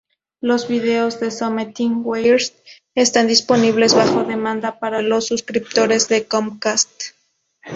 Los videos de Something Weird están disponibles bajo demanda para los suscriptores de Comcast.